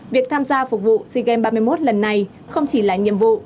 việc tham gia phục vụ sigem ba mươi một lần này không chỉ là nhiệm vụ